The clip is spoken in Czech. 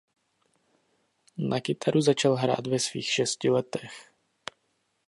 Na kytaru začal hrát ve svých šesti letech.